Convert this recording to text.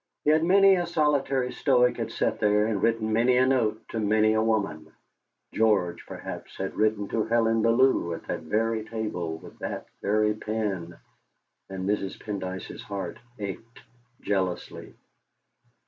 Yet many a solitary Stoic had sat there and written many a note to many a woman. George, perhaps, had written to Helen Bellew at that very table with that very pen, and Mrs. Pendyce's heart ached jealously.